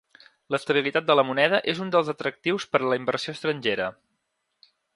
L'estabilitat de la moneda és un dels atractius per a la inversió estrangera.